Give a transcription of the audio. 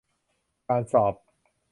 การสอบ